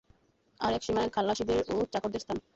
আর এক সীমায় খালাসীদের ও চাকরদের স্থান।